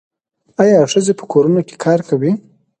آیا ښځې په کورونو کې کار کوي؟